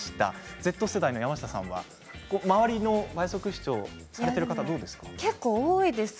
Ｚ世代の山下さんは周りの倍速視聴されている方はどうですか？